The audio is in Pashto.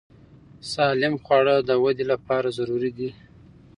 سالم خواړه د وده لپاره ضروري دي.